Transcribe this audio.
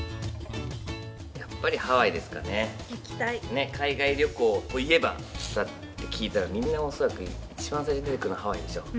ね、海外旅行といえば、聞いたらみんな恐らく一番最初に出てくるのハワイでしょ。